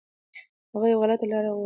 هغه یو غلطه لاره غوره کړه.